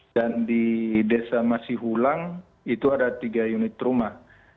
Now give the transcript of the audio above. dan di desa masihulang itu ada tiga unit rumah